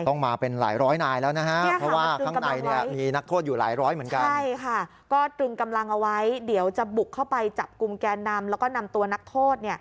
งานนำแล้วก็นำตัวนักโทษ